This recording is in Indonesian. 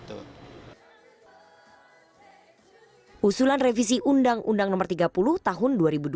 usulan revisi undang undang no tiga puluh tahun dua ribu dua